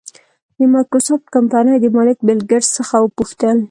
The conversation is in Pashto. د مایکروسافټ کمپنۍ د مالک بېل ګېټس څخه وپوښتل.